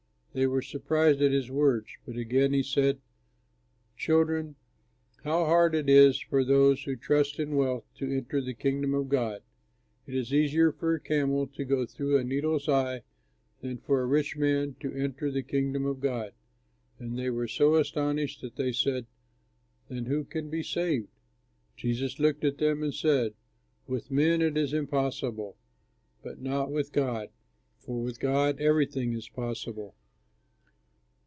They were surprised at his words, but again he said, "Children, how hard it is for those who trust in wealth to enter the Kingdom of God. It is easier for a camel to go through a needle's eye than for a rich man to enter the Kingdom of God." And they were so astonished that they said, "Then who can be saved?" Jesus looked at them and said, "With men it is impossible, but not with God, for with God everything is possible."